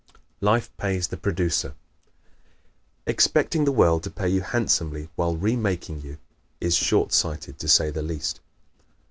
Life Pays the Producer ¶ Expecting the world to pay you handsomely while remaking you is short sighted, to say the least.